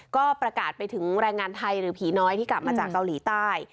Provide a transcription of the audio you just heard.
ก็ประกาศไปถึงแรงงานไทยหรือผีน้อยที่กลับมาจากเกาหลีใต้